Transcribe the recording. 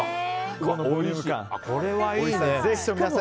これはいいね！